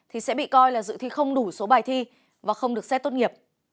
thì sẽ bị coi là dự thi không đủ số bài thi và không được xét tốt nghiệp